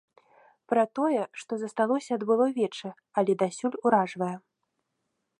Пра тое, што засталося ад былой вечы, але дасюль уражвае.